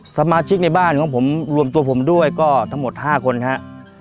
สมาชิกในบ้านของผมรวมตัวผมด้วยก็ทั้งหมด๕คนครับ